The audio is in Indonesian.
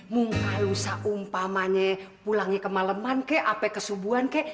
muka lu seumpamanya pulangnya ke maleman ke apa kesubuhan ke